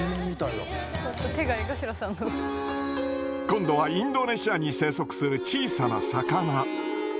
今度はインドネシアに生息する小さな魚。